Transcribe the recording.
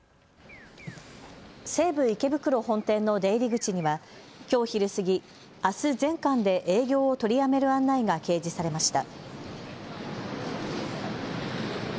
西武池袋本店の出入り口にはきょう昼過ぎ、あす全館で営業を取りやめる案内が掲示されました。